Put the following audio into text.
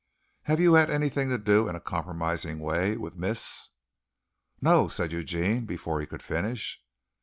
Have you had anything to do in a compromising way with Miss ?" "No," said Eugene before he could finish.